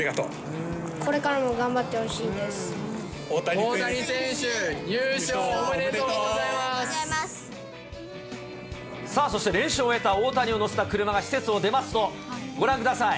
これからも頑張ってほしいで大谷選手、優勝おめでとうごさあ、そして練習を終えた大谷を乗せた車が施設を出ますと、ご覧ください。